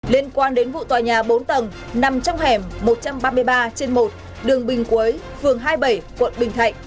liên quan đến vụ tòa nhà bốn tầng nằm trong hẻm một trăm ba mươi ba trên một đường bình quế phường hai mươi bảy quận bình thạnh